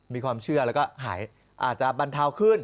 มีความเชื่อแล้วก็หายอาจจะบรรเทาขึ้น